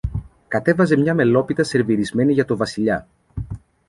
κατέβαζε μια μελόπιτα σερβιρισμένη για το Βασιλιά.